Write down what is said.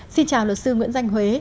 xin chào luật sư nguyễn danh huế